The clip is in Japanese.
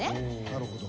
なるほど。